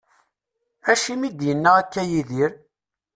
Acimi i d-yenna akka Yidir?